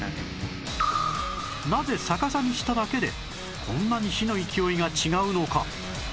なぜ逆さにしただけでこんなに火の勢いが違うのか？